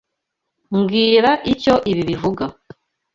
Mbwira icyo ibi bivuga.